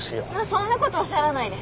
そんなことおっしゃらないで。